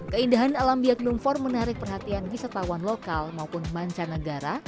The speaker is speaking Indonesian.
keindahan alam biak lumpur menarik perhatian wisatawan lokal maupun mancanegara